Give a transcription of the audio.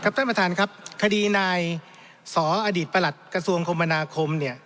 ท่านประธานครับคดีนายสออดีตประหลัดกระทรวงคมนาคมเนี่ย